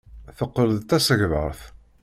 Teqqel d tasegbart.